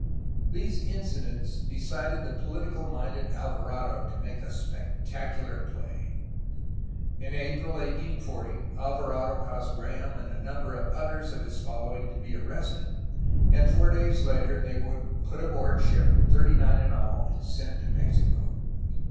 These incidents decided the political minded Alvarado to make a spectacular play. In April 1840 Alvarado caused Graham and a number of others of his following to be arrested, and four days later they were put aboard ship, thirty nine in all, and sent to Mexico.